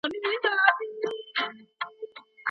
د روغتیا سکتور لپاره مرستې څوک راټولوي؟